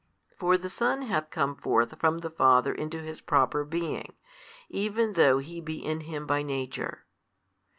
For the Son hath come forth from the Father into His Proper Being, even though He be in Him by Nature.